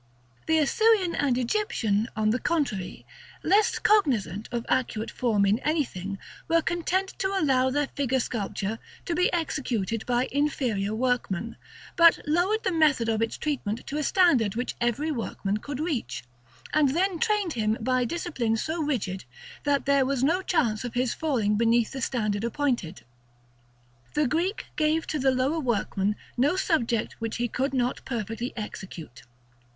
The Assyrian and Egyptian, on the contrary, less cognizant of accurate form in anything, were content to allow their figure sculpture to be executed by inferior workmen, but lowered the method of its treatment to a standard which every workman could reach, and then trained him by discipline so rigid, that there was no chance of his falling beneath the standard appointed. The Greek gave to the lower workman no subject which he could not perfectly execute.